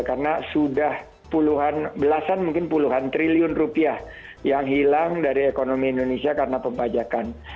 karena sudah puluhan belasan mungkin puluhan triliun rupiah yang hilang dari ekonomi indonesia karena pembajakan